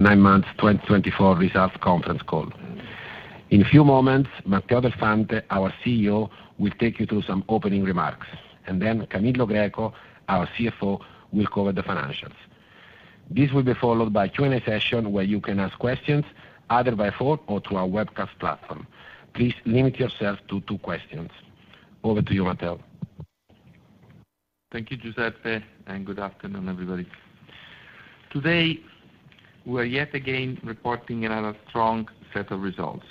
Nine Months 2024 Results Conference Call. In a few moments, Matteo Del Fante, our CEO, will take you through some opening remarks, and then Camillo Greco, our CFO, will cover the financials. This will be followed by a Q&A session where you can ask questions either by phone or through our webcast platform. Please limit yourself to two questions. Over to you, Matteo. Thank you, Giuseppe, and good afternoon, everybody. Today, we are yet again reporting on a strong set of results,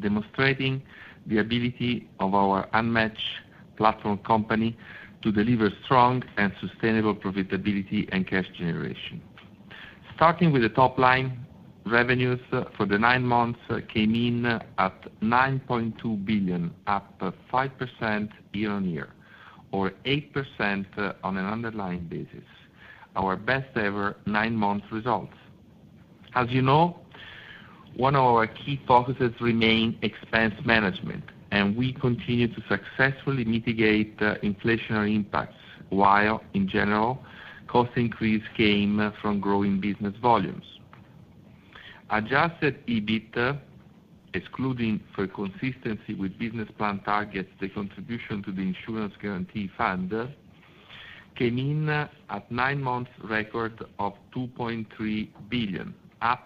demonstrating the ability of our unmatched platform company to deliver strong and sustainable profitability and cash generation. Starting with the top line, revenues for the nine months came in at 9.2 billion, up 5% year-on-year, or 8% on an underlying basis. Our best-ever nine-month results. As you know, one of our key focuses remains expense management, and we continue to successfully mitigate inflationary impacts while, in general, cost increases came from growing business volumes. Adjusted EBITDA, excluding for consistency with business plan targets, the contribution to the insurance guarantee fund came in at nine-month record of 2.3 billion, up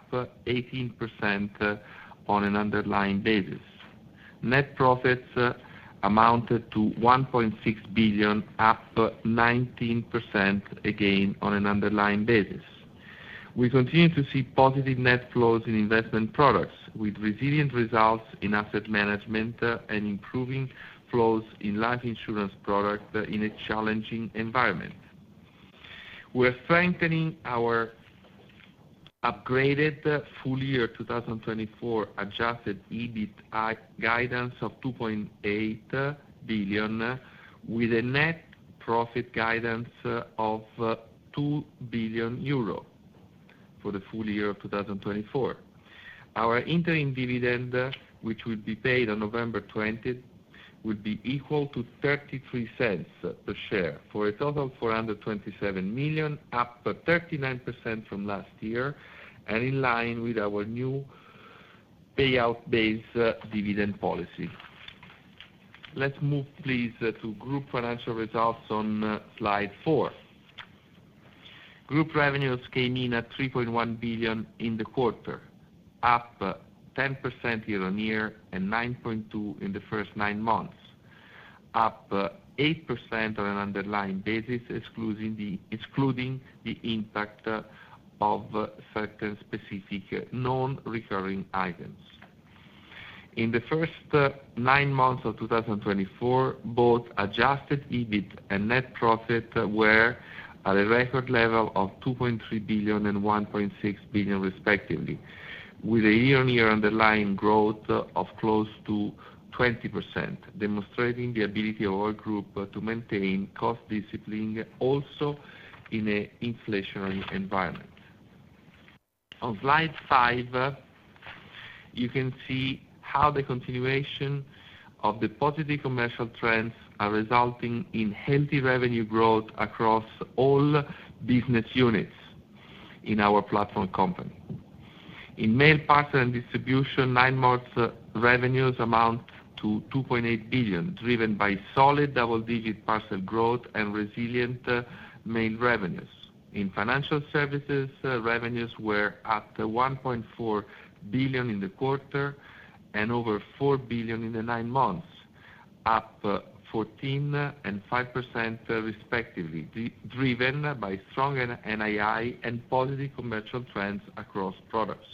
18% on an underlying basis. Net profits amounted to 1.6 billion, up 19% again on an underlying basis. We continue to see positive net flows in investment products, with resilient results in asset management and improving flows in life insurance products in a challenging environment. We are strengthening our upgraded full-year 2024 Adjusted EBIT guidance of €2.8 billion, with a net profit guidance of €2 billion for the full year of 2024. Our interim dividend, which will be paid on November 20, will be equal to €0.33 per share for a total of €427 million, up 39% from last year and in line with our new payout-based dividend policy. Let's move, please, to group financial results on slide four. Group revenues came in at €3.1 billion in the quarter, up 10% year-on-year and 9.2% in the first nine months, up 8% on an underlying basis, excluding the impact of certain specific non-recurring items. In the first nine months of 2024, both Adjusted EBIT and Net Profit were at a record level of 2.3 billion and 1.6 billion, respectively, with a year-on-year underlying growth of close to 20%, demonstrating the ability of our group to maintain cost discipline also in an inflationary environment. On slide five, you can see how the continuation of the positive commercial trends are resulting in healthy revenue growth across all business units in our platform company. In Mail, Parcel and Distribution, nine months revenues amount to 2.8 billion, driven by solid double-digit parcel growth and resilient mail revenues. In Financial Services, revenues were at 1.4 billion in the quarter and over 4 billion in the nine months, up 14% and 5%, respectively, driven by strong NII and positive commercial trends across products.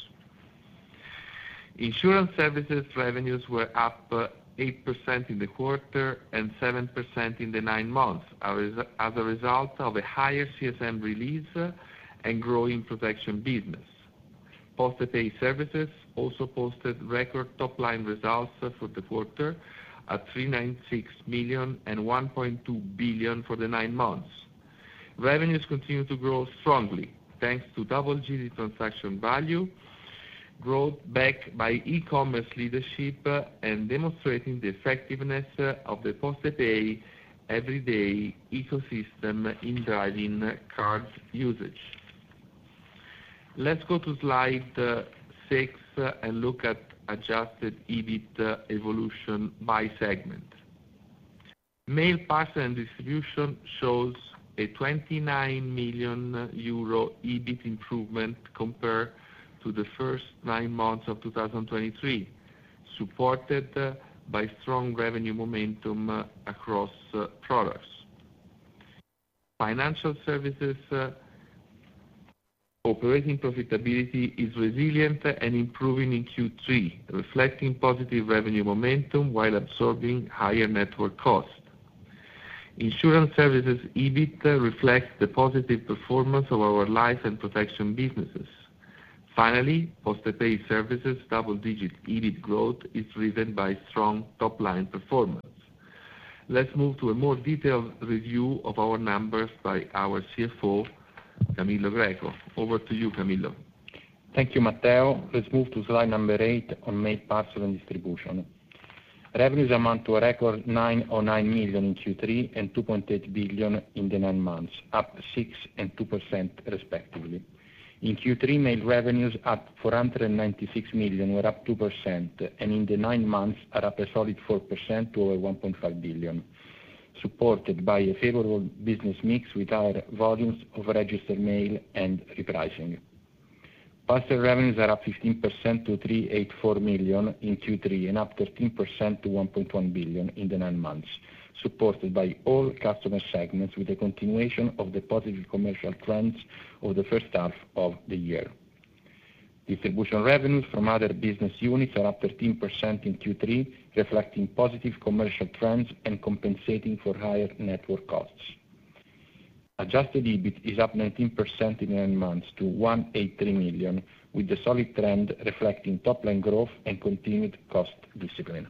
Insurance Services revenues were up 8% in the quarter and 7% in the nine months, as a result of a higher CSM release and growing protection business. PostePay Services also posted record top-line results for the quarter at 396 million and 1.2 billion for the nine months. Revenues continue to grow strongly, thanks to double-digit transaction value, brought back by e-commerce leadership, and demonstrating the effectiveness of the PostePay Evolution ecosystem in driving card usage. Let's go to slide six and look at adjusted EBIT evolution by segment. Mail, Parcel and Distribution shows a 29 million euro EBIT improvement compared to the first nine months of 2023, supported by strong revenue momentum across products. Financial Services operating profitability is resilient and improving in Q3, reflecting positive revenue momentum while absorbing higher network cost. Insurance Services EBIT reflects the positive performance of our life and protection businesses. Finally, PostePay Services double-digit EBIT growth is driven by strong top-line performance. Let's move to a more detailed review of our numbers by our Chief Financial Officer, Camillo Greco. Over to you, Camillo. Thank you, Matteo. Let's move to slide number eight on Mail, Parcel and Distribution. Revenues amount to a record €909 million in Q3 and €2.8 billion in the nine months, up 6% and 2%, respectively. In Q3, mail revenues at €496 million were up 2%, and in the nine months, are up a solid 4% to over €1.5 billion, supported by a favorable business mix with higher volumes of registered mail and repricing. Parcel revenues are up 15% to €384 million in Q3 and up 13% to €1.1 billion in the nine months, supported by all customer segments with the continuation of the positive commercial trends of the first half of the year. Distribution revenues from other business units are up 13% in Q3, reflecting positive commercial trends and compensating for higher network costs. Adjusted EBIT is up 19% in nine months to 183 million, with the solid trend reflecting top-line growth and continued cost discipline.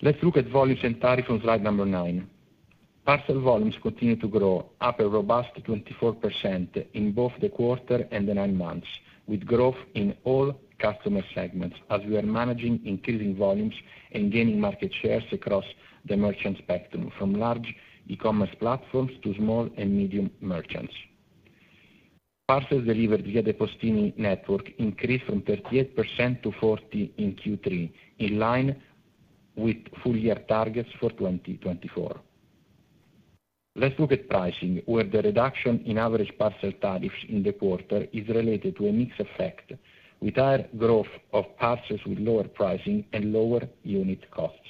Let's look at volumes and tariffs on slide number nine. Parcel volumes continue to grow, up a robust 24% in both the quarter and the nine months, with growth in all customer segments as we are managing increasing volumes and gaining market shares across the merchant spectrum, from large e-commerce platforms to small and medium merchants. Parcels delivered via the Postini network increased from 38% to 40% in Q3, in line with full-year targets for 2024. Let's look at pricing, where the reduction in average parcel tariffs in the quarter is related to a mixed effect, with higher growth of parcels with lower pricing and lower unit costs.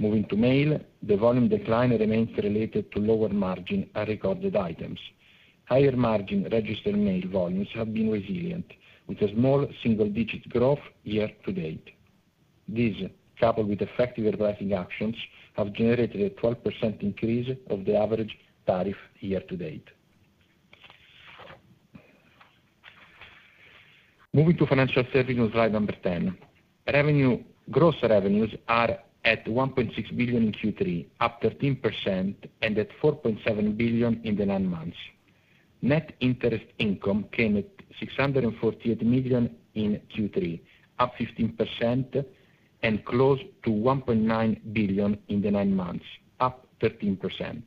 Moving to mail, the volume decline remains related to lower margin and recorded items. Higher margin registered mail volumes have been resilient, with a small single-digit growth year to date. These, coupled with effective repricing actions, have generated a 12% increase of the average tariff year to date. Moving to Financial Services on slide number 10. Revenues, gross revenues are at 1.6 billion in Q3, up 13%, and at 4.7 billion in the nine months. Net interest income came at 648 million in Q3, up 15%, and close to 1.9 billion in the nine months, up 13%.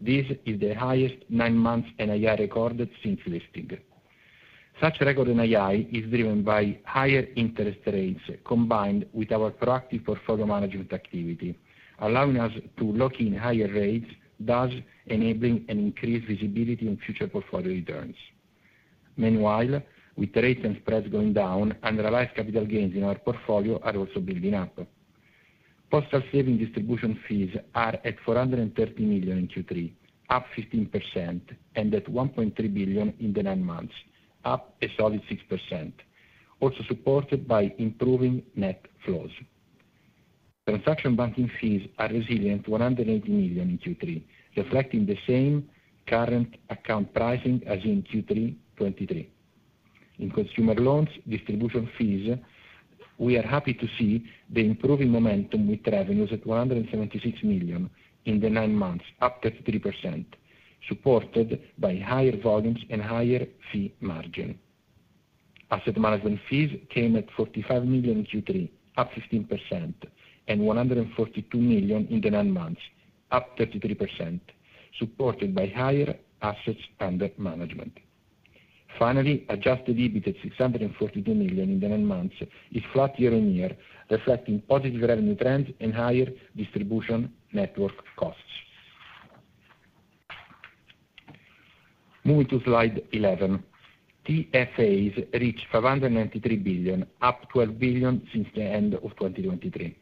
This is the highest nine-month NII recorded since listing. Such record NII is driven by higher interest rates combined with our proactive portfolio management activity, allowing us to lock in higher rates, thus enabling an increased visibility on future portfolio returns. Meanwhile, with rates and spreads going down, underlying capital gains in our portfolio are also building up. Postal savings distribution fees are at €430 million in Q3, up 15%, and at €1.3 billion in the nine months, up a solid 6%, also supported by improving net flows. Transaction banking fees are resilient, €180 million in Q3, reflecting the same current account pricing as in Q3 2023. In consumer loans distribution fees, we are happy to see the improving momentum with revenues at €176 million in the nine months, up 33%, supported by higher volumes and higher fee margin. Asset management fees came at €45 million in Q3, up 15%, and €142 million in the nine months, up 33%, supported by higher assets under management. Finally, Adjusted EBIT at €642 million in the nine months is flat year-on-year, reflecting positive revenue trends and higher distribution network costs. Moving to slide 11, TFAs reached €593 billion, up €12 billion since the end of 2023.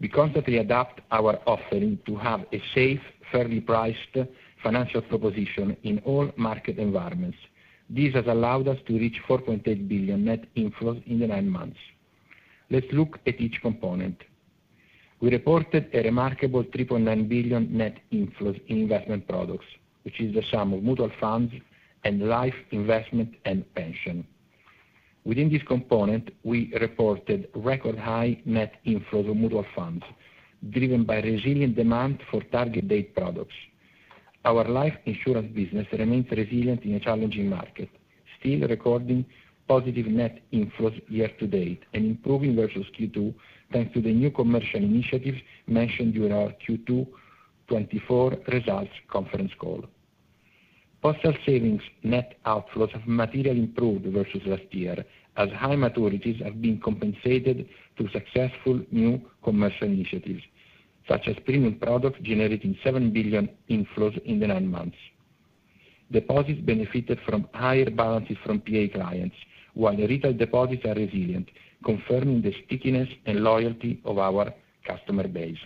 We constantly adapt our offering to have a safe, fairly priced financial proposition in all market environments. This has allowed us to reach 4.8 billion net inflows in the nine months. Let's look at each component. We reported a remarkable 3.9 billion net inflows in investment products, which is the sum of mutual funds and life investment and pension. Within this component, we reported record-high net inflows of mutual funds, driven by resilient demand for target-date products. Our life insurance business remains resilient in a challenging market, still recording positive net inflows year to date and improving versus Q2 2024, thanks to the new commercial initiatives mentioned during our Q2 2024 Results Conference Call. Postal savings net outflows have materially improved versus last year, as high maturities have been compensated through successful new commercial initiatives, such as premium products generating 7 billion inflows in the nine months. Deposits benefited from higher balances from PA clients, while retail deposits are resilient, confirming the stickiness and loyalty of our customer base.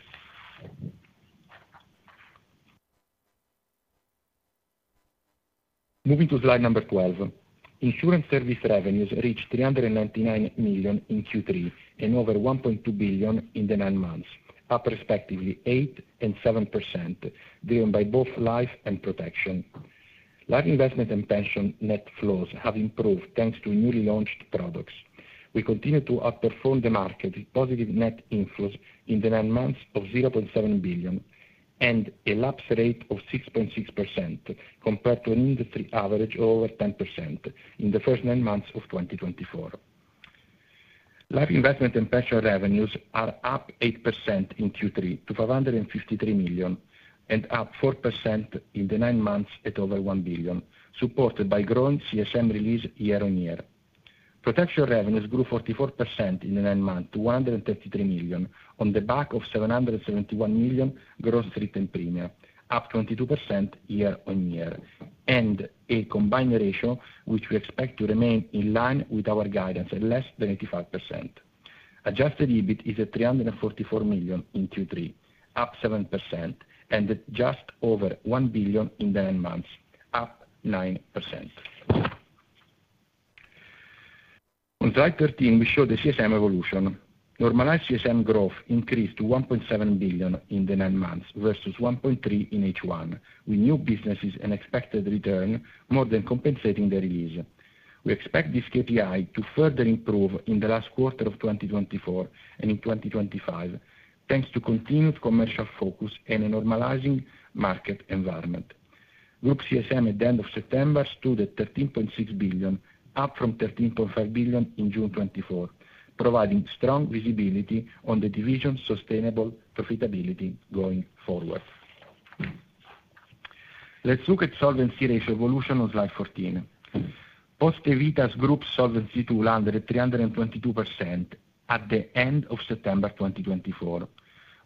Moving to slide number 12, insurance service revenues reached 399 million in Q3 and over 1.2 billion in the nine months, up respectively 8% and 7%, driven by both life and protection. Life investment and pension net flows have improved thanks to newly launched products. We continue to outperform the market with positive net inflows in the nine months of 0.7 billion and a lapse rate of 6.6% compared to an industry average of over 10% in the first nine months of 2024. Life investment and pension revenues are up 8% in Q3 to 553 million and up 4% in the nine months at over 1 billion, supported by growing CSM release year- on-year. Protection revenues grew 44% in the nine months to 133 million on the back of 771 million gross return premia, up 22% year-on-year, and a combined ratio, which we expect to remain in line with our guidance, at less than 85%. Adjusted EBIT is at 344 million in Q3, up 7%, and at just over 1 billion in the nine months, up 9%. On slide 13, we show the CSM evolution. Normalized CSM growth increased to 1.7 billion in the nine months versus 1.3 billion in H1, with new businesses and expected return more than compensating the release. We expect this KPI to further improve in the last quarter of 2024 and in 2025, thanks to continued commercial focus and a normalizing market environment. Group CSM at the end of September stood at 13.6 billion, up from 13.5 billion in June 2024, providing strong visibility on the division's sustainable profitability going forward. Let's look at solvency ratio evolution on slide 14. Poste Vita Group's Solvency II ratio over 322% at the end of September 2024,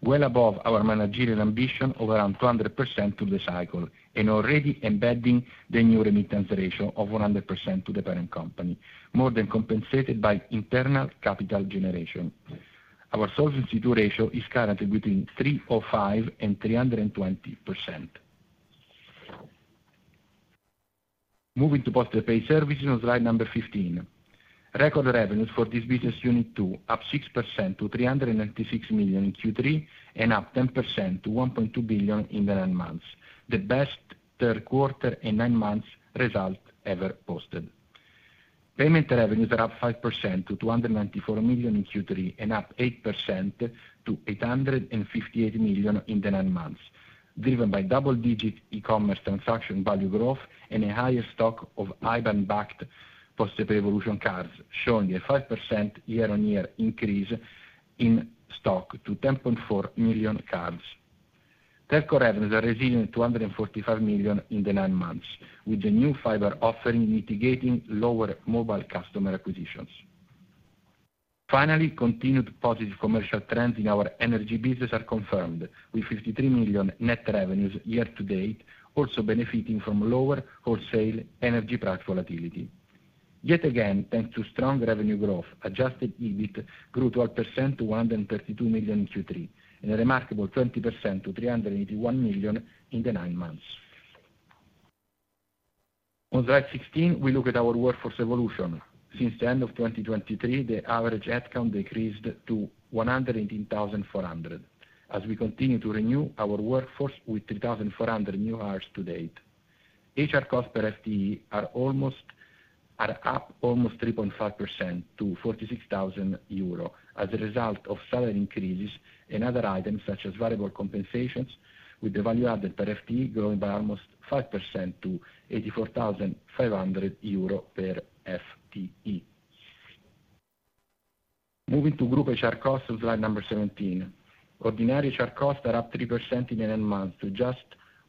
well above our managerial ambition of around 200% through the cycle, and already embedding the new remittance ratio of 100% to the parent company, more than compensated by internal capital generation. Our Solvency II ratio is currently between 305% and 320%. Moving to PostePay Services on slide number 15. Record revenues for this business unit, too, up 6% to 396 million in Q3 and up 10% to 1.2 billion in the nine months, the best third quarter and nine months result ever posted. Payment revenues are up 5% to 294 million in Q3 and up 8% to 858 million in the nine months, driven by double-digit e-commerce transaction value growth and a higher stock of IBAN-backed PostePay Evolution cards, showing a 5% year-on-year increase in stock to 10.4 million cards. Telco revenues are resilient at 245 million in the nine months, with the new fiber offering mitigating lower mobile customer acquisitions. Finally, continued positive commercial trends in our energy business are confirmed, with 53 million net revenues year to date also benefiting from lower wholesale energy price volatility. Yet again, thanks to strong revenue growth, Adjusted EBIT grew 12% to 132 million in Q3, and a remarkable 20% to 381 million in the nine months. On slide 16, we look at our workforce evolution. Since the end of 2023, the average headcount decreased to 118,400, as we continue to renew our workforce with 3,400 new hires to date. HR cost per FTE are up almost 3.5% to 46,000 euro as a result of salary increases and other items such as variable compensations, with the value-added per FTE growing by almost 5% to 84,500 euro per FTE. Moving to group HR costs on slide number 17. Ordinary HR costs are up 3% in the nine months to just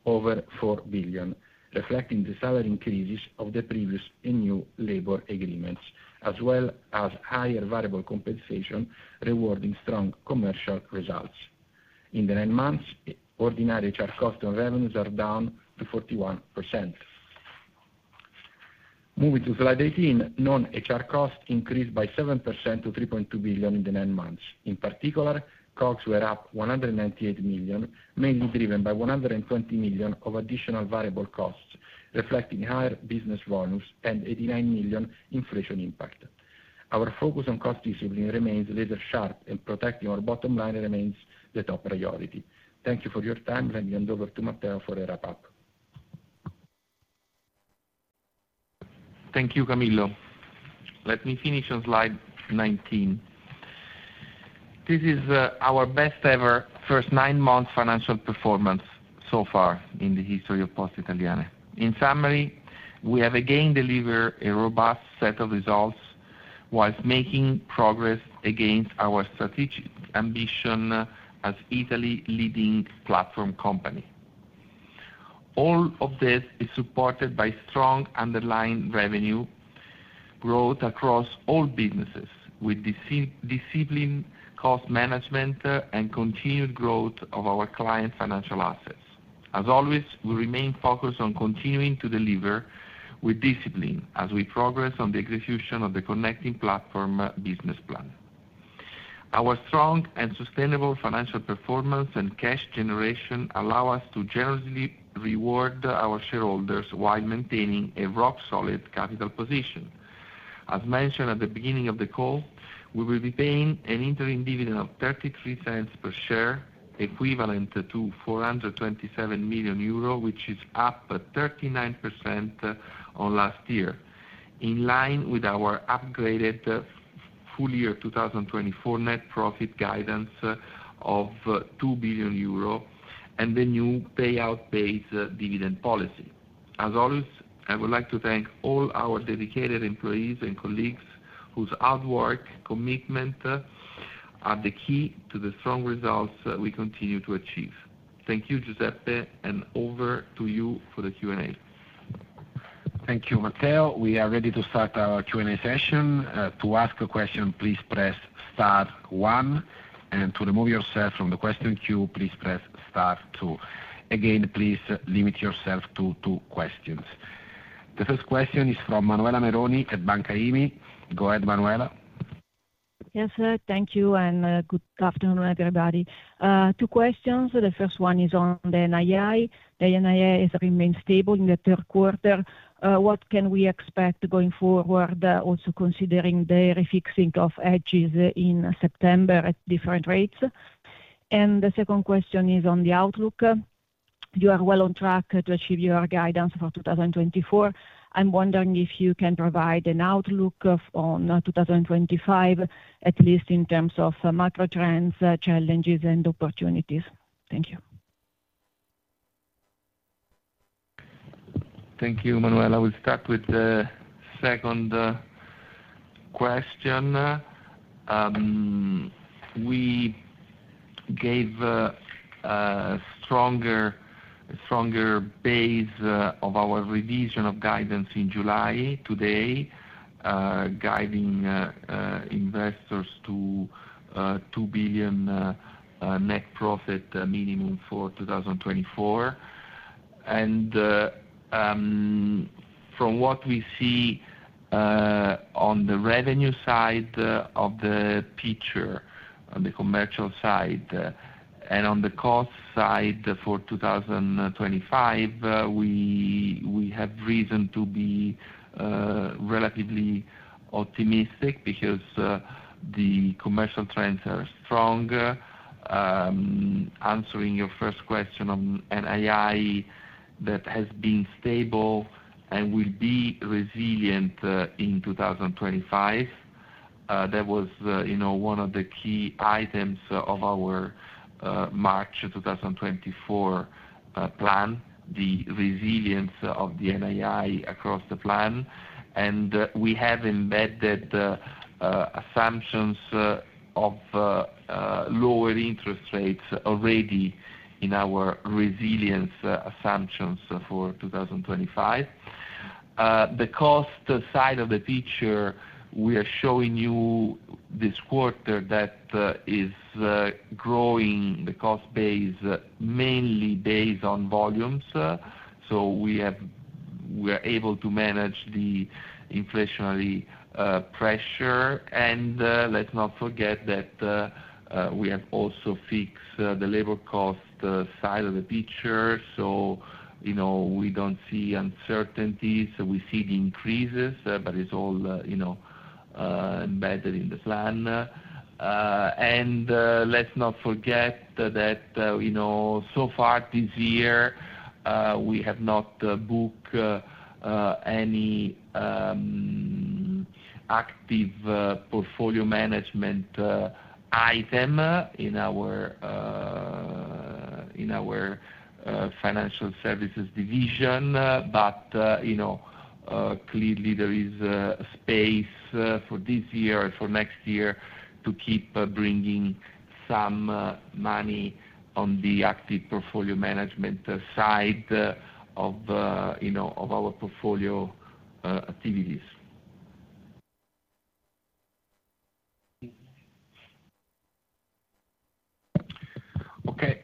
over 4 billion, reflecting the salary increases of the previous and new labor agreements, as well as higher variable compensation rewarding strong commercial results. In the nine months, ordinary HR cost and revenues are down to 41%. Moving to slide 18, non-HR costs increased by 7% to 3.2 billion in the nine months. In particular, COGS were up 198 million, mainly driven by 120 million of additional variable costs, reflecting higher business volumes and 89 million inflation impact. Our focus on cost discipline remains laser-sharp, and protecting our bottom line remains the top priority. Thank you for your time. Let me hand over to Matteo for a wrap-up. Thank you, Camillo. Let me finish on slide 19. This is our best-ever first nine-month financial performance so far in the history of Poste Italiane. In summary, we have again delivered a robust set of results while making progress against our strategic ambition as Italy's leading platform company. All of this is supported by strong underlying revenue growth across all businesses, with disciplined cost management and continued growth of our client financial assets. As always, we remain focused on continuing to deliver with discipline as we progress on the execution of the connecting platform business plan. Our strong and sustainable financial performance and cash generation allow us to generously reward our shareholders while maintaining a rock-solid capital position. As mentioned at the beginning of the call, we will be paying an interim dividend of €0.33 per share, equivalent to 427 million euro, which is up 39% on last year, in line with our upgraded full-year 2024 net profit guidance of 2 billion euro and the new payout-based dividend policy. As always, I would like to thank all our dedicated employees and colleagues whose hard work and commitment are the key to the strong results we continue to achieve. Thank you, Giuseppe, and over to you for the Q&A. Thank you, Matteo. We are ready to start our Q&A session. To ask a question, please press star one, and to remove yourself from the question queue, please press star two. Again, please limit yourself to two questions. The first question is from Manuela Meroni at Banca IMI. Go ahead, Manuela. Yes, sir. Thank you, and good afternoon, everybody. Two questions. The first one is on the NII. The NII has remained stable in the third quarter. What can we expect going forward, also considering the fixing of hedges in September at different rates? And the second question is on the outlook. You are well on track to achieve your guidance for 2024. I'm wondering if you can provide an outlook on 2025, at least in terms of macro trends, challenges, and opportunities. Thank you. Thank you, Manuela. We'll start with the second question. We gave a stronger base of our revision of guidance in July today, guiding investors to €2 billion net profit minimum for 2024. And from what we see on the revenue side of the picture, on the commercial side and on the cost side for 2025, we have reason to be relatively optimistic because the commercial trends are strong. Answering your first question on NII, that has been stable and will be resilient in 2025. That was one of the key items of our March 2024 plan, the resilience of the NII across the plan. And we have embedded assumptions of lower interest rates already in our resilience assumptions for 2025. The cost side of the picture, we are showing you this quarter that is growing the cost base mainly based on volumes. So we are able to manage the inflationary pressure. And let's not forget that we have also fixed the labor cost side of the picture. So we don't see uncertainties. We see the increases, but it's all embedded in the plan. And let's not forget that so far this year, we have not booked any active portfolio management item in our Financial Services division. But clearly, there is space for this year and for next year to keep bringing some money on the active portfolio management side of our portfolio activities. Okay.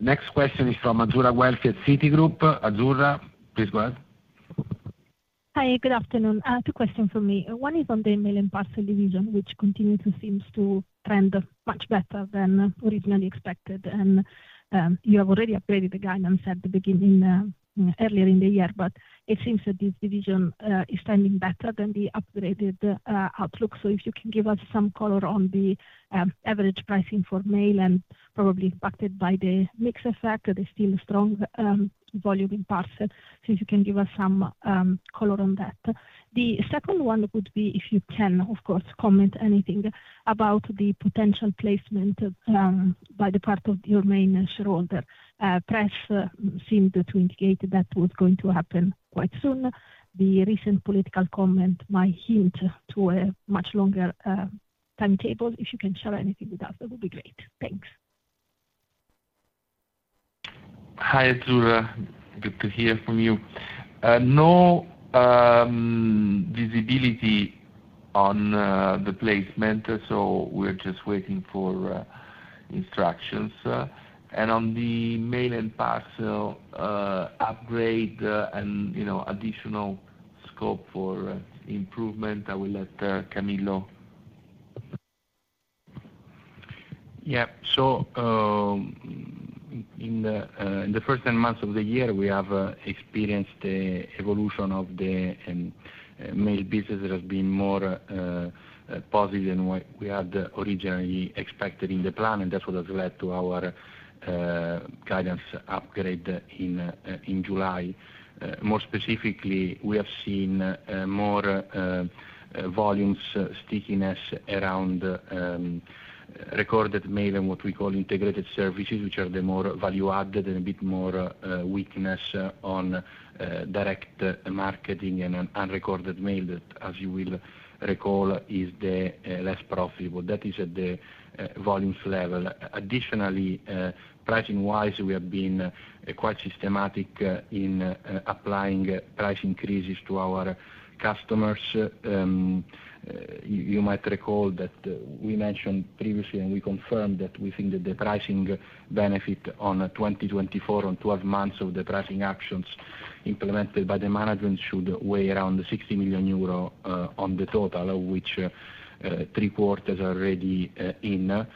Next question is from Azzurra Guelfi at Citigroup. Azzurra, please go ahead. Hi, good afternoon. Two questions for me. One is on the Mail & Parcel division, which continues to seem to trend much better than originally expected. And you have already upgraded the guidance at the beginning earlier in the year, but it seems that this division is trending better than the upgraded outlook. So if you can give us some color on the average pricing for mail and probably impacted by the mix effect, the still strong volume in parcels, if you can give us some color on that. The second one would be, if you can, of course, comment anything about the potential placement by the part of your main shareholder. Press seemed to indicate that was going to happen quite soon. The recent political comment might hint to a much longer timetable. If you can share anything with us, that would be great. Thanks. Hi, Azzurra. Good to hear from you. No visibility on the placement, so we're just waiting for instructions. And on the mail and parcel upgrade and additional scope for improvement, I will let Camillo. Yeah. So in the first nine months of the year, we have experienced the evolution of the mail business. It has been more positive than what we had originally expected in the plan, and that's what has led to our guidance upgrade in July. More specifically, we have seen more volumes, stickiness around recorded mail and what we call integrated services, which are the more value-added and a bit more weakness on direct marketing and unrecorded mail that, as you will recall, is the less profitable. That is at the volumes level. Additionally, pricing-wise, we have been quite systematic in applying price increases to our customers. You might recall that we mentioned previously, and we confirmed that we think that the pricing benefit on 2024, on 12 months of the pricing actions implemented by the management, should weigh around 60 million euro on the total, of which three quarters are already in.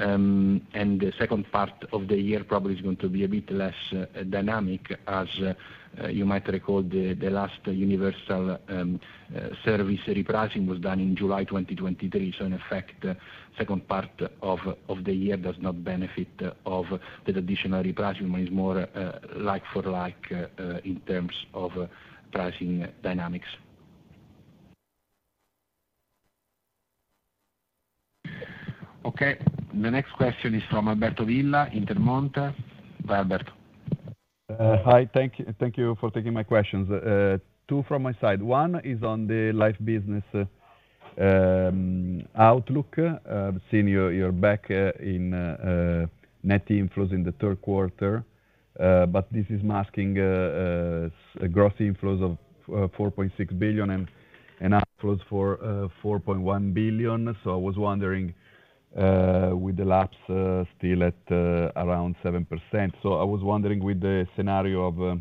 The second part of the year probably is going to be a bit less dynamic, as you might recall. The last universal service repricing was done in July 2023. So, in effect, the second part of the year does not benefit from that additional repricing. It is more like-for-like in terms of pricing dynamics. Okay. The next question is from Alberto Villa, Intermonte. Hi, Alberto. Hi. Thank you for taking my questions. Two from my side. One is on the life business outlook. I've seen your breakdown in net inflows in the third quarter, but this is masking gross inflows of 4.6 billion and outflows of 4.1 billion. So I was wondering, with the lapse still at around 7%, so I was wondering, with the scenario of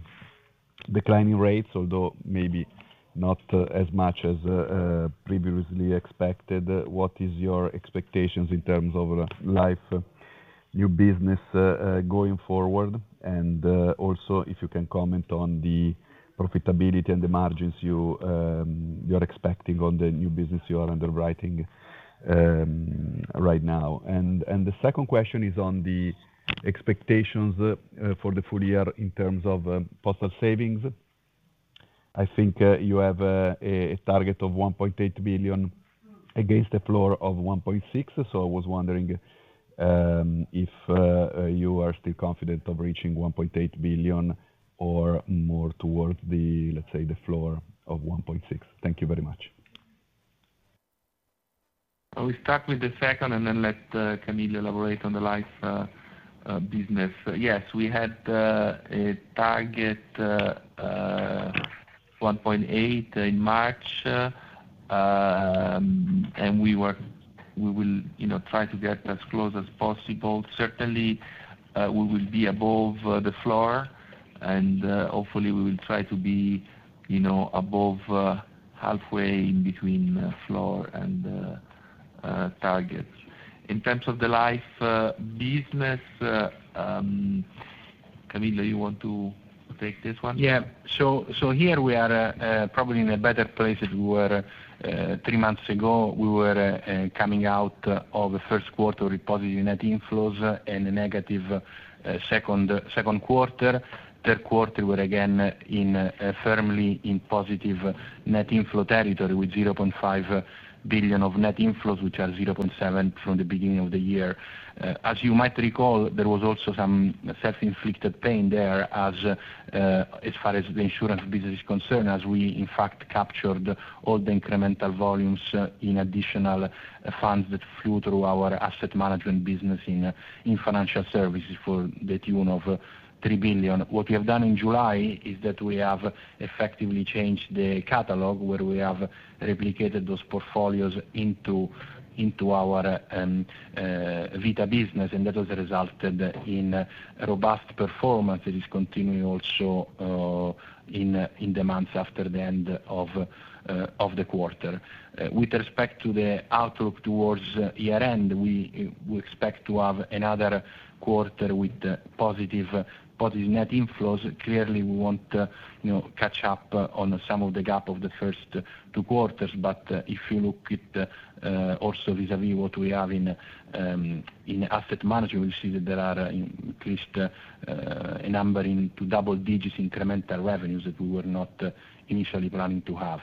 declining rates, although maybe not as much as previously expected, what are your expectations in terms of life new business going forward? And also, if you can comment on the profitability and the margins you are expecting on the new business you are underwriting right now. And the second question is on the expectations for the full year in terms of postal savings. I think you have a target of 1.8 billion against a floor of 1.6. So I was wondering if you are still confident of reaching 1.8 billion or more towards the, let's say, the floor of 1.6. Thank you very much. I will start with the second and then let Camillo elaborate on the life business. Yes, we had a target of 1.8 in March, and we will try to get as close as possible. Certainly, we will be above the floor, and hopefully, we will try to be above halfway in between floor and target. In terms of the life business, Camillo, you want to take this one? Yeah. So here we are probably in a better place where three months ago, we were coming out of the first quarter with positive net inflows and a negative second quarter. Third quarter, we were again firmly in positive net inflow territory with €0.5 billion of net inflows, which are €0.7 billion from the beginning of the year. As you might recall, there was also some self-inflicted pain there as far as the insurance business is concerned, as we, in fact, captured all the incremental volumes in additional funds that flew through our asset management business in Financial Services to the tune of 3 billion. What we have done in July is that we have effectively changed the catalog where we have replicated those portfolios into our Vita business, and that has resulted in robust performance that is continuing also in the months after the end of the quarter. With respect to the outlook towards year-end, we expect to have another quarter with positive net inflows. Clearly, we won't catch up on some of the gap of the first two quarters, but if you look at also vis-à-vis what we have in asset management, you see that there are at least a number into double digits incremental revenues that we were not initially planning to have.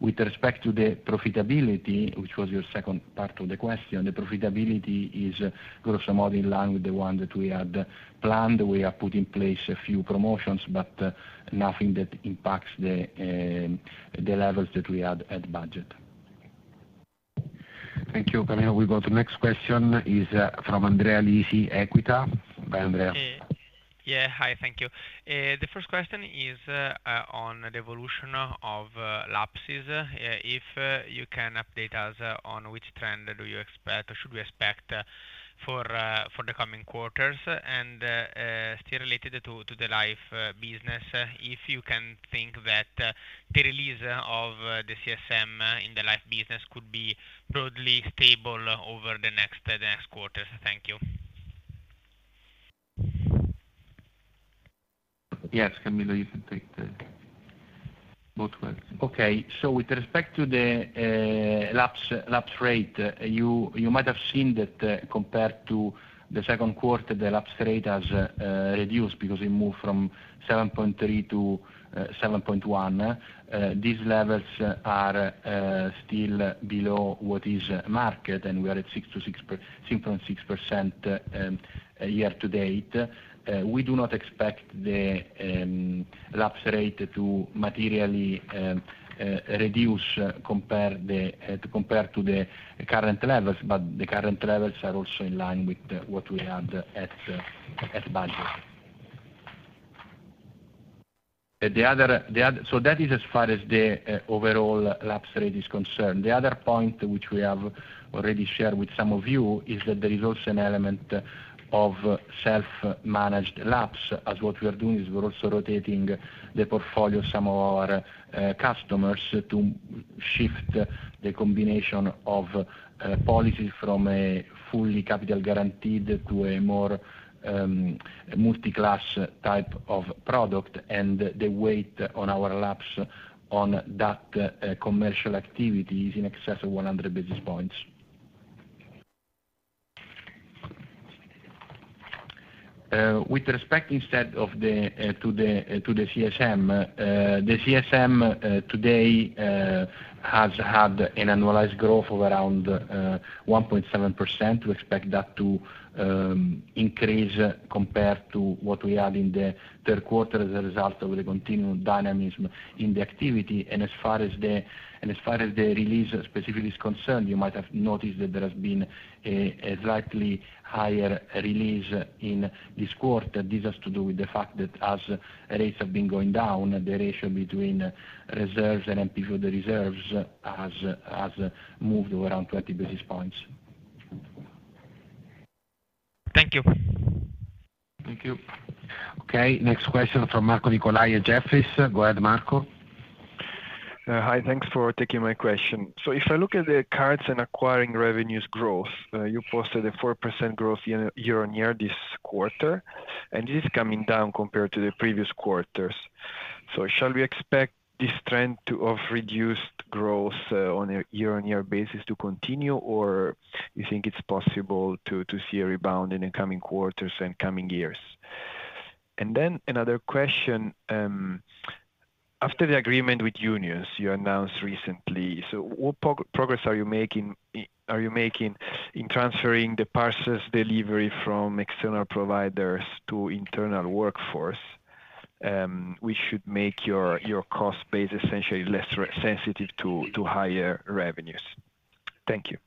With respect to the profitability, which was your second part of the question, the profitability is gross amount in line with the one that we had planned. We have put in place a few promotions, but nothing that impacts the levels that we had at budget. Thank you, Camillo. We go to the next question, is from Andrea Lisi, Equita. Hi, Andrea. Yeah. Hi. Thank you. The first question is on the evolution of lapses. If you can update us on which trend do you expect or should we expect for the coming quarters? Still related to the life business, if you can think that the release of the CSM in the life business could be totally stable over the next quarters. Thank you. Yes, Camillo, you can take both questions. Okay. So with respect to the lapse rate, you might have seen that compared to the second quarter, the lapse rate has reduced because it moved from 7.3 to 7.1. These levels are still below what is market, and we are at 6.6% year-to-date. We do not expect the lapse rate to materially reduce compared to the current levels, but the current levels are also in line with what we had at budget. So that is as far as the overall lapse rate is concerned. The other point which we have already shared with some of you is that there is also an element of self-managed lapses. As what we are doing is we're also rotating the portfolio of some of our customers to shift the combination of policies from a fully capital guaranteed to a more multi-class type of product. And the weight on our lapse on that commercial activity is in excess of 100 basis points. With respect instead to the CSM, the CSM today has had an annualized growth of around 1.7%. We expect that to increase compared to what we had in the third quarter as a result of the continued dynamism in the activity. And as far as the release specifically is concerned, you might have noticed that there has been a slightly higher release in this quarter. This has to do with the fact that as rates have been going down, the ratio between reserves and MPV reserves has moved around 20 basis points. Thank you. Thank you. Okay. Next question from Marco Nicolai at Jefferies. Go ahead, Marco. Hi. Thanks for taking my question. So if I look at the cards and acquiring revenues growth, you posted a 4% growth year-on-year this quarter, and this is coming down compared to the previous quarters. So shall we expect this trend of reduced growth on a year-on-year basis to continue, or do you think it's possible to see a rebound in the coming quarters and coming years? And then another question. After the agreement with unions you announced recently, so what progress are you making in transferring the parcels delivery from external providers to internal workforce, which should make your cost base essentially less sensitive to higher revenues? Thank you.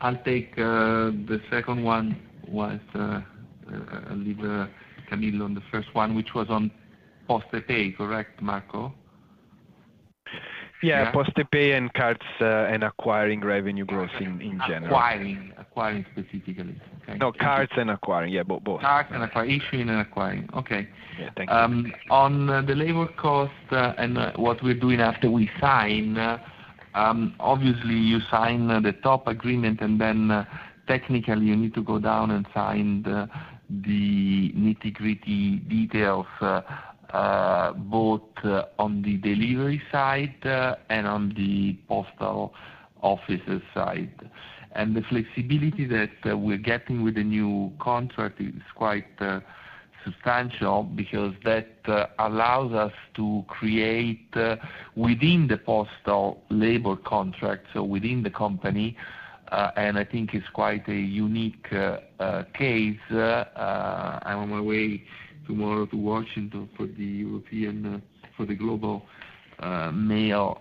I'll take the second one while I leave Camillo on the first one, which was on PostePay, correct, Marco? Yeah. PostePay and cards and acquiring revenue growth in general. Acquiring, acquiring specifically. No, cards and acquiring. Yeah, both. Cards and acquiring. Issuing and acquiring. Okay. Yeah. Thank you. On the labor cost and what we're doing after we sign, obviously, you sign the top agreement, and then technically, you need to go down and sign the nitty-gritty details both on the delivery side and on the post office side, and the flexibility that we're getting with the new contract is quite substantial because that allows us to create within the postal labor contract, so within the company, and I think it's quite a unique case. I'm on my way tomorrow to Washington for the European for the Global Mail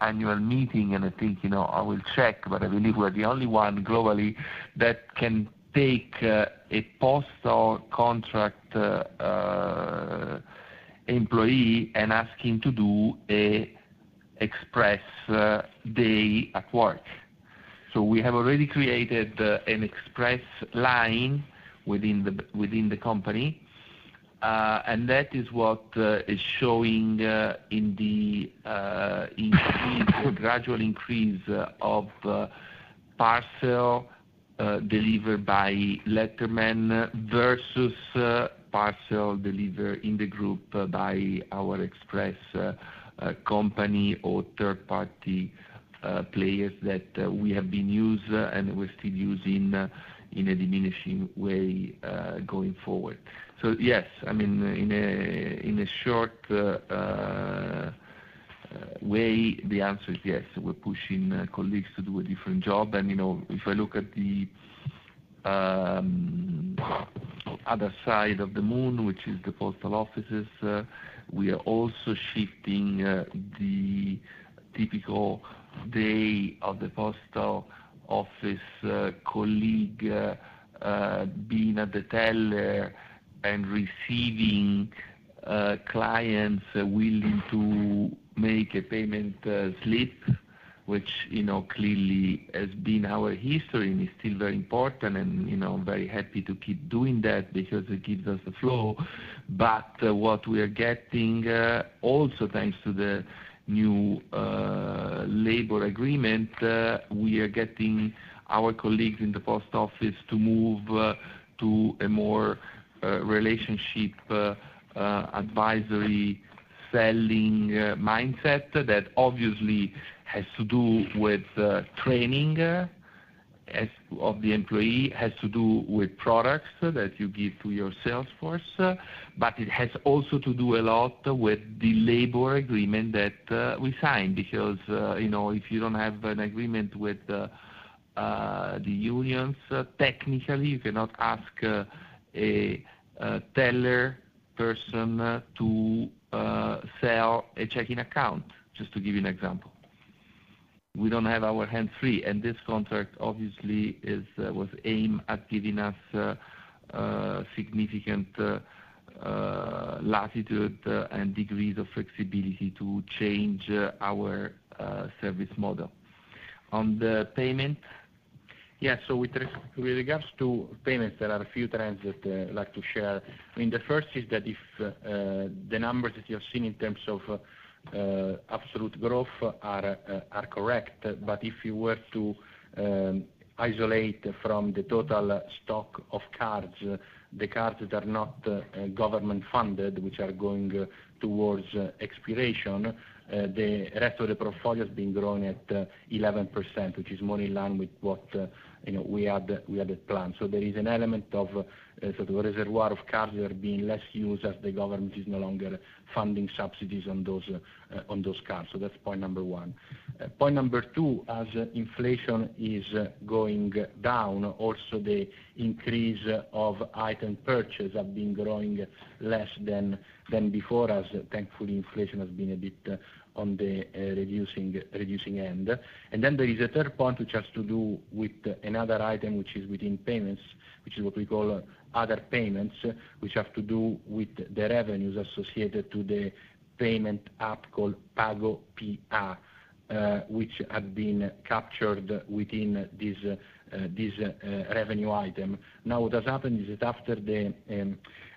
annual meeting, and I think I will check, but I believe we're the only one globally that can take a postal contract employee and ask him to do an express day at work. So we have already created an express line within the company, and that is what is showing in the gradual increase of parcel delivered by letterman versus parcel delivered in the group by our express company or third-party players that we have been using and we're still using in a diminishing way going forward. So yes, I mean, in a short way, the answer is yes. We're pushing colleagues to do a different job. And if I look at the other side of the moon, which is the post offices, we are also shifting the typical day of the post office colleague being at the teller and receiving clients willing to make a payment slip, which clearly has been our history and is still very important. And I'm very happy to keep doing that because it gives us the flow. But what we are getting, also thanks to the new labor agreement, we are getting our colleagues in the post office to move to a more relationship advisory selling mindset that obviously has to do with training of the employee, has to do with products that you give to your sales force, but it has also to do a lot with the labor agreement that we sign. Because if you don't have an agreement with the unions, technically, you cannot ask a teller person to sell a checking account, just to give you an example. We don't have our hands free. And this contract, obviously, was aimed at giving us significant latitude and degrees of flexibility to change our service model. On the payment, yeah, so with regards to payments, there are a few trends that I'd like to share. I mean, the first is that if the numbers that you're seeing in terms of absolute growth are correct, but if you were to isolate from the total stock of cards, the cards that are not government funded, which are going towards expiration, the rest of the portfolio has been growing at 11%, which is more in line with what we had planned. So there is an element of sort of a reservoir of cards that are being less used as the government is no longer funding subsidies on those cards. So that's point number one. Point number two, as inflation is going down, also the increase of item purchase has been growing less than before, as thankfully, inflation has been a bit on the reducing end. And then there is a third point which has to do with another item, which is within payments, which is what we call other payments, which have to do with the revenues associated to the payment app called PagoPA, which had been captured within this revenue item. Now, what has happened is that after the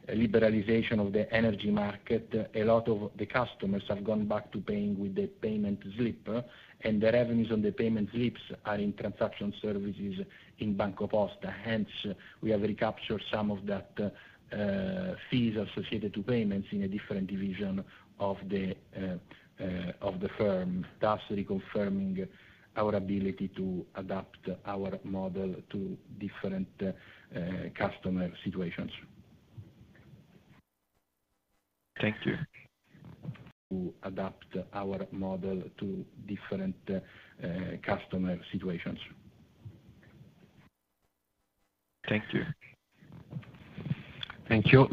liberalization of the energy market, a lot of the customers have gone back to paying with the payment slip, and the revenues on the payment slips are in transaction services in BancoPosta. Hence, we have recaptured some of that fees associated to payments in a different division of the firm, thus reconfirming our ability to adapt our model to different customer situations. Thank you. The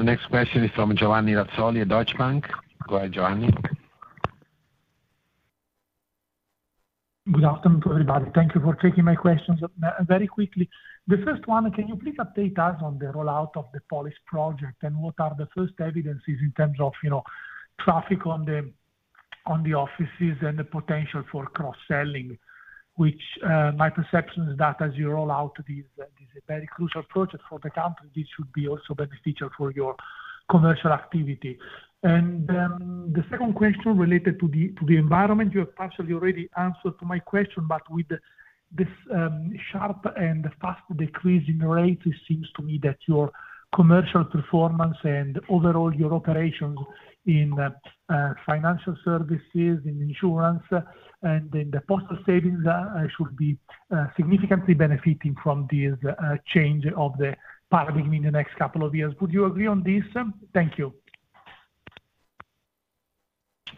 next question is from Giovanni Razzoli at Deutsche Bank. Go ahead, Giovanni. Good afternoon to everybody. Thank you for taking my questions very quickly. The first one, can you please update us on the rollout of the Polis project and what are the first evidence in terms of traffic on the offices and the potential for cross-selling, which my perception is that as you roll out this very crucial project for the country, this should be also beneficial for your commercial activity. And the second question related to the environment, you have partially already answered my question, but with this sharp and fast decrease in rates, it seems to me that your commercial performance and overall your operations in Financial Services, in insurance, and in the postal savings should be significantly benefiting from this change of the paradigm in the next couple of years. Would you agree on this? Thank you.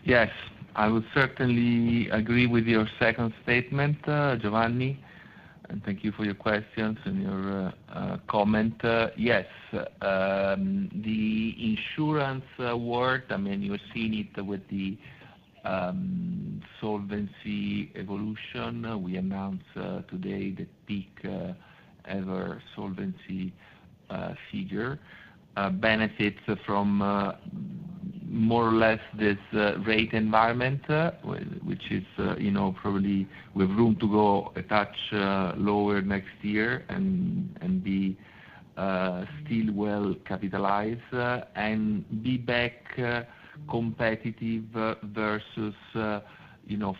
Yes. I would certainly agree with your second statement, Giovanni. And thank you for your questions and your comment. Yes. The insurance work, I mean, you're seeing it with the solvency evolution. We announced today the peak ever solvency figure. Benefits from more or less this rate environment, which is probably we have room to go a touch lower next year and be still well capitalized and be back competitive versus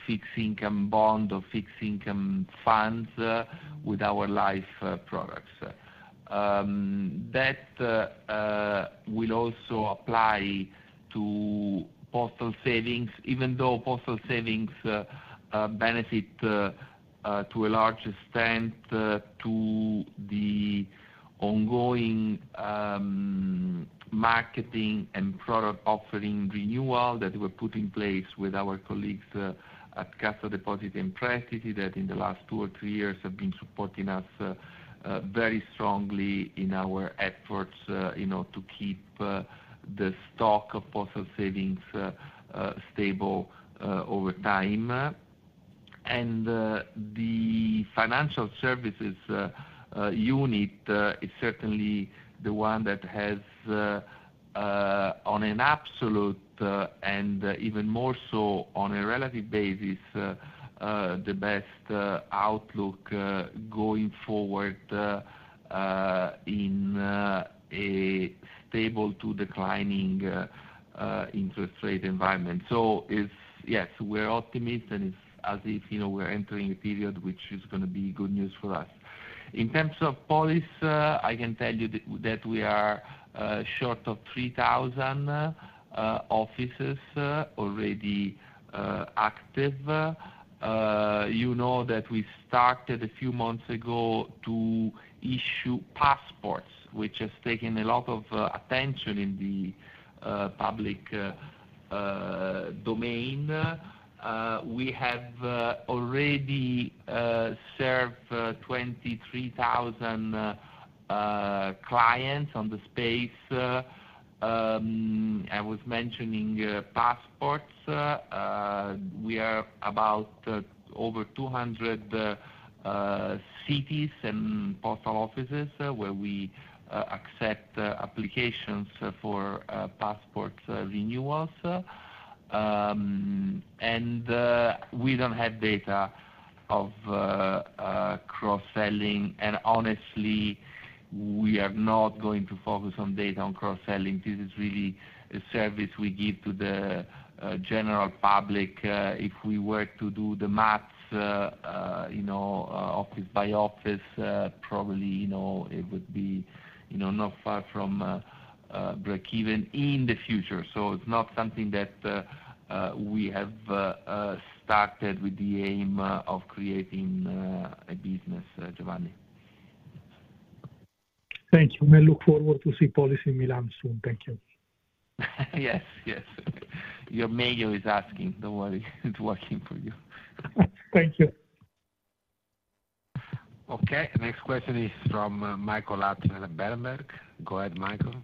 fixed income bond or fixed income funds with our life products. That will also apply to postal savings, even though postal savings benefit to a large extent to the ongoing marketing and product offering renewal that we've put in place with our colleagues at Cassa Depositi e Prestiti that in the last two or three years have been supporting us very strongly in our efforts to keep the stock of postal savings stable over time. The Financial Services unit is certainly the one that has, on an absolute and even more so on a relative basis, the best outlook going forward in a stable to declining interest rate environment. Yes, we're optimists, and it's as if we're entering a period which is going to be good news for us. In terms of Polis, I can tell you that we are short of 3,000 offices already active. You know that we started a few months ago to issue passports, which has taken a lot of attention in the public domain. We have already served 23,000 clients on the space. I was mentioning passports. We are about over 200 cities and postal offices where we accept applications for passport renewals. We don't have data of cross-selling. Honestly, we are not going to focus on data on cross-selling. This is really a service we give to the general public. If we were to do the math office by office, probably it would be not far from break-even in the future. So it's not something that we have started with the aim of creating a business, Giovanni. Thank you. I look forward to seeing Polis in Milan soon. Thank you. Yes. Yes. Your mayor is asking. Don't worry. It's working for you. Thank you. Okay. Next question is from Michael Huttner at Berenberg. Go ahead, Michael.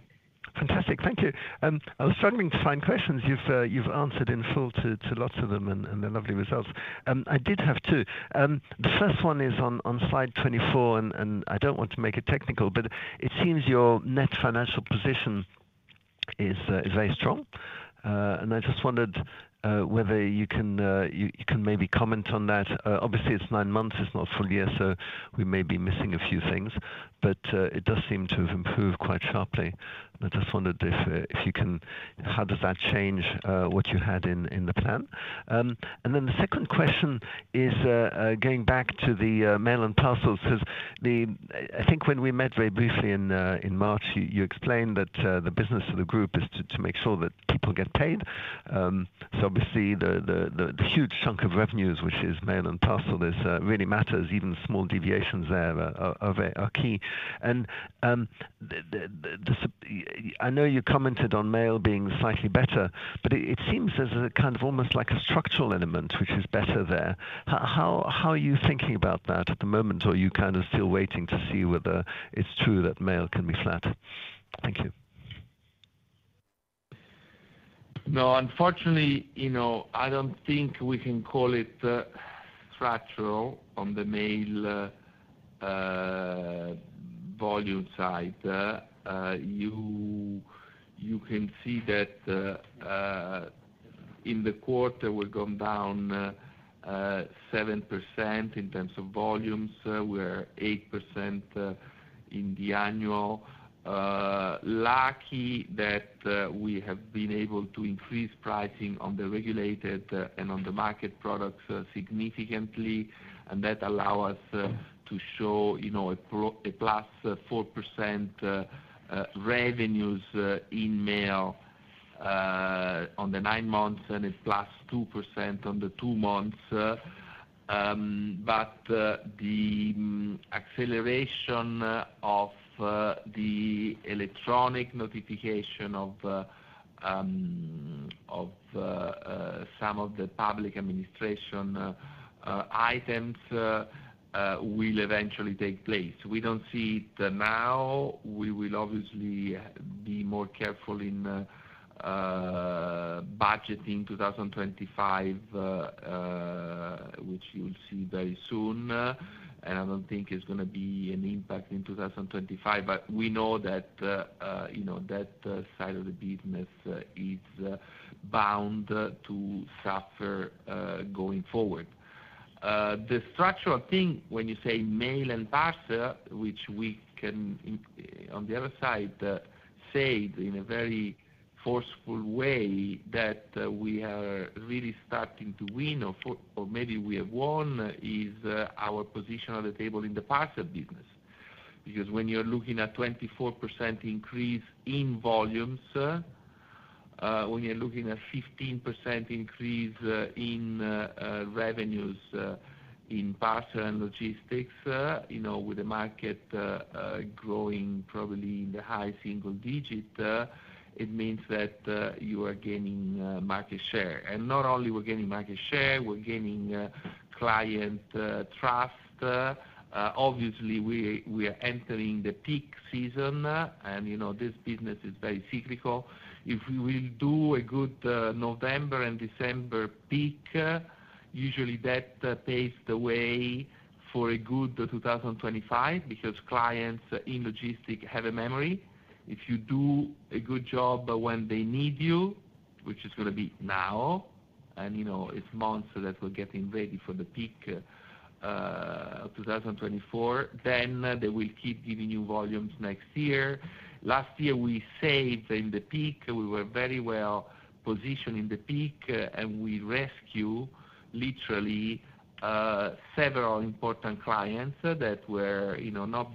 Fantastic. Thank you. I was struggling to find questions. You've answered in full to lots of them and the lovely results. I did have two. The first one is on slide 24, and I don't want to make it technical, but it seems your net financial position is very strong. And I just wondered whether you can maybe comment on that. Obviously, it's nine months. It's not a full year, so we may be missing a few things, but it does seem to have improved quite sharply. And I just wondered if you can how does that change what you had in the plan? And then the second question is going back to the mail and parcels because I think when we met very briefly in March, you explained that the business of the group is to make sure that people get paid. So obviously, the huge chunk of revenues, which is mail and parcel, really matters. Even small deviations there are key. And I know you commented on mail being slightly better, but it seems there's a kind of almost like a structural element which is better there. How are you thinking about that at the moment, or are you kind of still waiting to see whether it's true that mail can be flat? Thank you. No, unfortunately, I don't think we can call it flat on the mail volume side. You can see that in the quarter, we've gone down 7% in terms of volumes. We're down 8% in the annual. Lucky that we have been able to increase pricing on the regulated and on the market products significantly, and that allows us to show a plus 4% revenues in mail on the nine months and a plus 2% on the two months. But the acceleration of the electronic notification of some of the public administration items will eventually take place. We don't see it now. We will obviously be more careful in budgeting 2025, which you'll see very soon. And I don't think it's going to be an impact in 2025, but we know that that side of the business is bound to suffer going forward. The structural thing, when you say mail and parcel, which we can, on the other side, say in a very forceful way that we are really starting to win, or maybe we have won, is our position at the table in the parcel business. Because when you're looking at 24% increase in volumes, when you're looking at 15% increase in revenues in parcel and logistics, with the market growing probably in the high single digit, it means that you are gaining market share. And not only we're gaining market share, we're gaining client trust. Obviously, we are entering the peak season, and this business is very cyclical. If we will do a good November and December peak, usually that paves the way for a good 2025 because clients in logistics have a memory. If you do a good job when they need you, which is going to be now, and it's months that we're getting ready for the peak of 2024, then they will keep giving you volumes next year. Last year, we saved in the peak. We were very well positioned in the peak, and we rescued literally several important clients that were not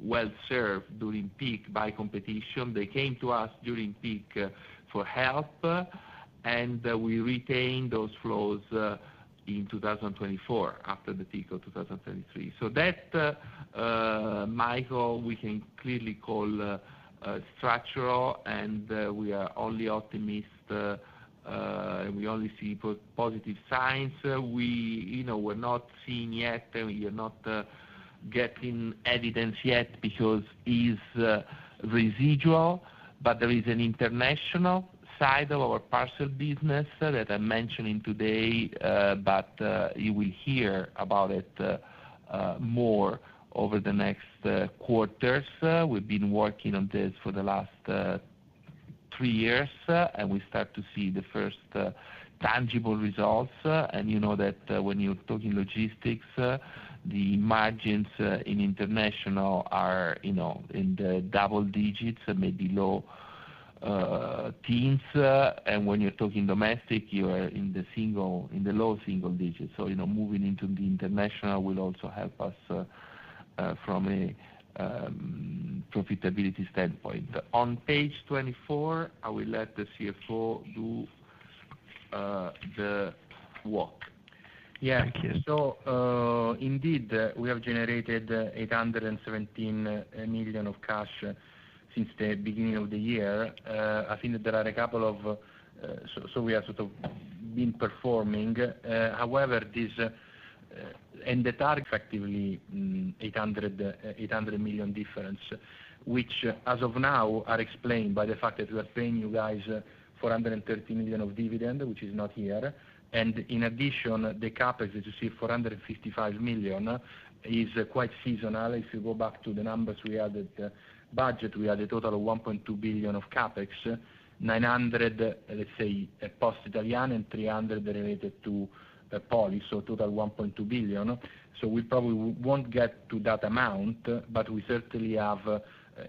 well served during peak by competition. They came to us during peak for help, and we retained those flows in 2024 after the peak of 2023. So that, Michael, we can clearly call structural, and we are only optimists, and we only see positive signs. We're not seeing yet, and we are not getting evidence yet because it's residual. There is an international side of our parcel business that I'm mentioning today, but you will hear about it more over the next quarters. We've been working on this for the last three years, and we start to see the first tangible results. You know that when you're talking logistics, the margins in international are in the double digits, maybe low teens. When you're talking domestic, you are in the low single digits. So moving into the international will also help us from a profitability standpoint. On page 24, I will let the CFO do the walk. Yeah. Thank you. So indeed, we have generated 817 million of cash since the beginning of the year. I think that there are a couple of so we have sort of been performing. However, and the effectively €800 million difference, which as of now are explained by the fact that we are paying you guys €430 million of dividend, which is not here. And in addition, the CapEx, as you see, €455 million is quite seasonal. If you go back to the numbers we had at budget, we had a total of €1.2 billion of CapEx, €900 million, let's say, Poste Italiane, and €300 million related to Polis. So total €1.2 billion. So we probably won't get to that amount, but we certainly have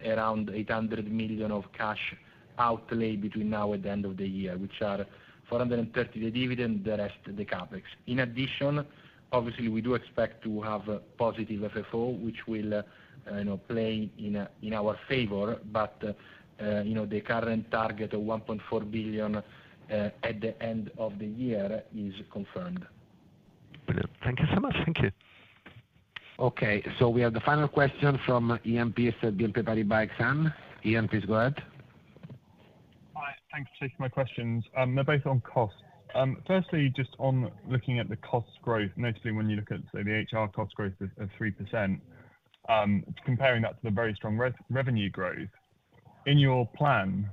around €800 million of cash outlay between now and the end of the year, which are €430 million, the dividend, the rest, the CapEx. In addition, obviously, we do expect to have positive FFO, which will play in our favor, but the current target of €1.4 billion at the end of the year is confirmed. Brilliant. Thank you so much. Thank you. Okay. So we have the final question from EMPS at BNP Paribas Exane. EMPS, go ahead. Hi. Thanks for taking my questions. They're both on costs. Firstly, just on looking at the cost growth, notably when you look at, say, the HR cost growth of 3%, comparing that to the very strong revenue growth. In your plan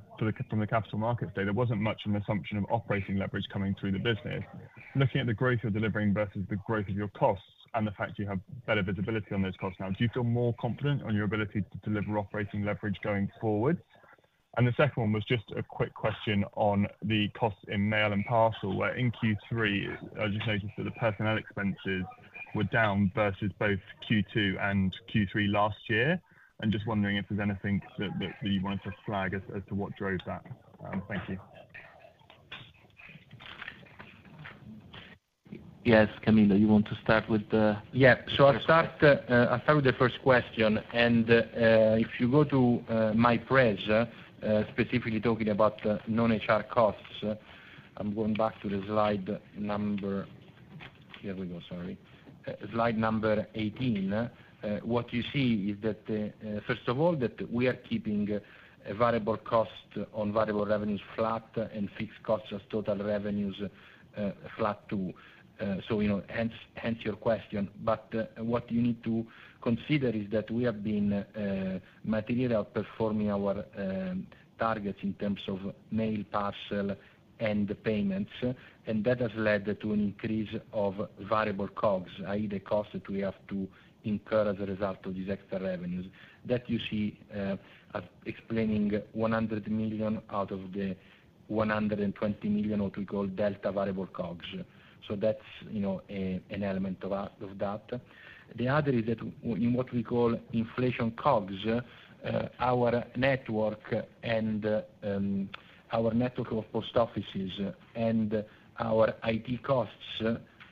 from the capital markets day, there wasn't much of an assumption of operating leverage coming through the business. Looking at the growth you're delivering versus the growth of your costs and the fact you have better visibility on those costs now, do you feel more confident on your ability to deliver operating leverage going forward? And the second one was just a quick question on the costs in mail and parcel, where in Q3, I just noticed that the personnel expenses were down versus both Q2 and Q3 last year. I just wondering if there's anything that you wanted to flag as to what drove that. Thank you. Yes, Camillo, you want to start with the? Yeah. So I'll start with the first question. And if you go to my prez, specifically talking about non-HR costs, I'm going back to the slide number here we go, sorry. Slide number 18. What you see is that, first of all, that we are keeping variable cost on variable revenues flat and fixed costs as total revenues flat too. So hence your question. But what you need to consider is that we have been materially outperforming our targets in terms of mail, parcel, and payments. And that has led to an increase of variable COGS, i.e., the cost that we have to incur as a result of these extra revenues. That you see as explaining 100 million out of the 120 million, what we call delta variable COGS. So that's an element of that. The other is that in what we call inflation COGS, our network and our network of post offices and our IT costs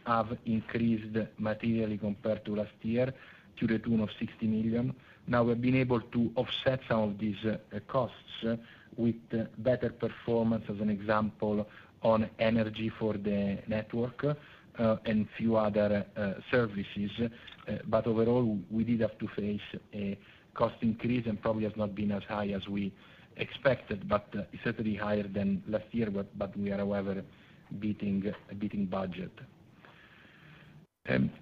have increased materially compared to last year to the tune of 60 million. Now, we've been able to offset some of these costs with better performance, as an example, on energy for the network and a few other services. But overall, we did have to face a cost increase and probably has not been as high as we expected, but certainly higher than last year, but we are, however, beating budget.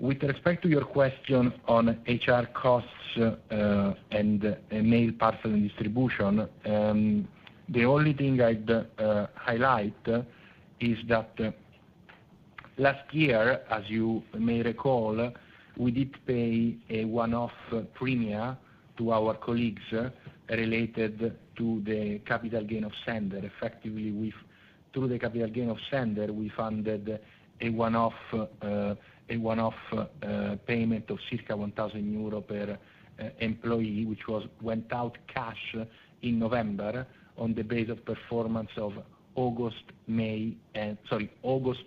With respect to your question on HR costs and mail, parcel, and distribution, the only thing I'd highlight is that last year, as you may recall, we did pay a one-off premiums to our colleagues related to the capital gain of Sennder. Effectively, through the capital gain of Sennder, we funded a one-off payment of circa €1,000 per employee, which went out cash in November on the basis of performance of August,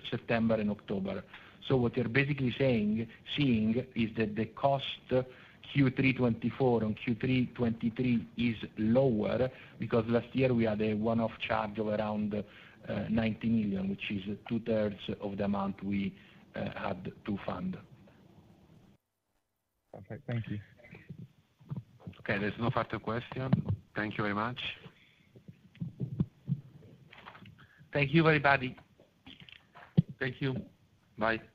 September, and October. So what you're basically seeing is that the cost Q3 2024 and Q3 2023 is lower because last year we had a one-off charge of around €90 million, which is two-thirds of the amount we had to fund. Perfect. Thank you. Okay. There's no further question? Thank you very much. Thank you, everybody. Thank you. Bye.